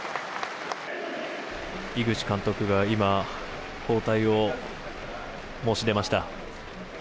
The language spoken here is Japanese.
井口監督が今交代を申し出ました。